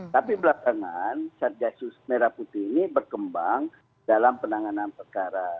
tapi belakangan satgasus merah putih ini berkembang dalam penanganan perkara